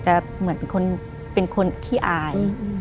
เหมือนเป็นคนขี้อาย